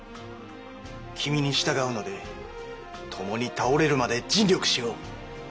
君に従うのでともに倒れるまで尽力しよう。